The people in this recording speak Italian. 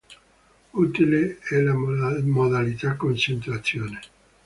Utile è la modalità Concentrazione.